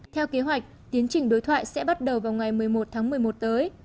theo kế hoạch tiến trình đối thoại sẽ bắt đầu vào ngày một mươi một tháng một mươi một tới